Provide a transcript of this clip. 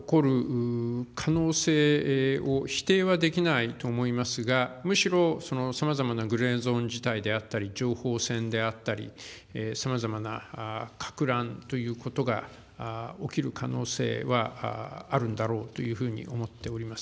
全面的な上陸侵攻が起こる可能性を否定はできないと思いますが、むしろさまざまなグレーゾーン自体であったり、情報戦であったり、さまざまなかくらんということが起きる可能性はあるんだろうというふうに思っております。